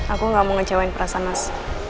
aku gak mau ngecewain perasaan mas